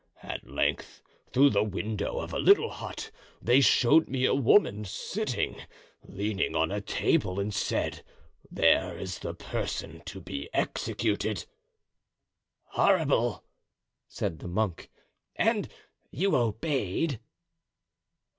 At length, through the window of a little hut, they showed me a woman sitting, leaning on a table, and said, 'there is the person to be executed.'" "Horrible!" said the monk. "And you obeyed?"